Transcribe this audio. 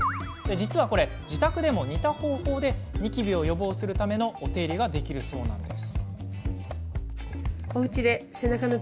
実はこれ、自宅でも似た方法でニキビを予防するためのお手入れができるそうなんです。